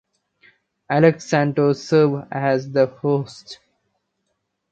Alex Santos serve as the hosts.